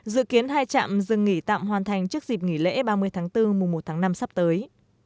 dự kiến hai trạm dừng nghỉ tạm hoàn thành trước dịp nghỉ lễ ba mươi tháng bốn mùa một tháng năm sắp tới